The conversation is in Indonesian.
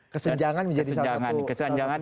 kesenjangan menjadi salah satu fokusnya